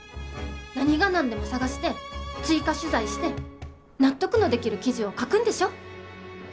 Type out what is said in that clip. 何が何でも探して追加取材して納得のできる記事を書くんでしょ？